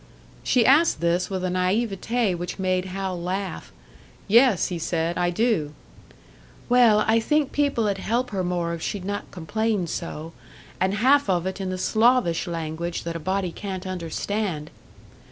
She asked this with a naïveté which made Hal laugh. "Yes," he said, "I do." "Well, I think people'd help her more if she'd not complain so! And half of it in the Slavish language, that a body can't understand!"